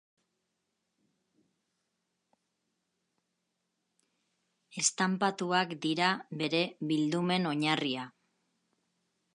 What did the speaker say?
Estanpatuak dira bere bildumen oinarria.